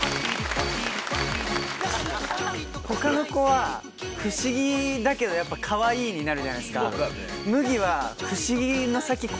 他の子は不思議だけどカワイイになるじゃないですか。